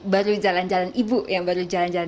baru jalan jalan ibu yang baru jalan jalan